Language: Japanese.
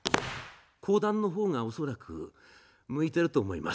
講談の方が恐らく向いていると思います。